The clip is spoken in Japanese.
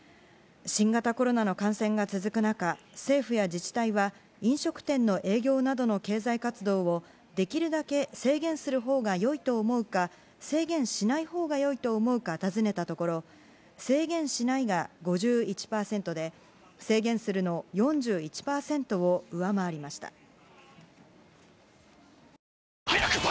新型コロナの感染が続く中政府や自治体は飲食店の営業などの経済活動をできるだけ制限するほうが良いと思うか制限しないほうが良いと思うか尋ねたところ「制限しない」が５１％で「制限する」の４１％を上回りました。